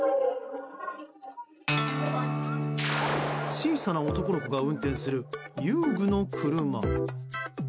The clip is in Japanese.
小さな男の子が運転する遊具の車。